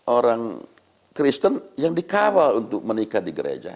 orang kristen yang dikawal untuk menikah di gereja